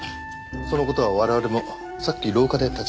その事は我々もさっき廊下で立ち聞きしました。